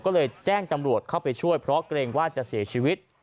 ก็เลยแจ้งตำรวจเข้าไปช่วยเพราะเกรงว่าจะเสียชีวิต